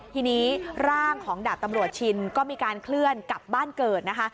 ทีนี้ร่างของดาบตำรวจชินก็มีการเคลื่อนกลับบ้านเกิดนะคะ